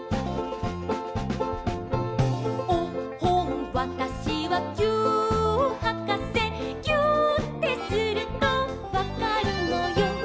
「おっほんわたしはぎゅーっはかせ」「ぎゅーってするとわかるのよ」